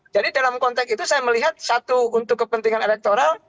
jadi dalam konteks itu saya melihat satu untuk kepentingan elektoral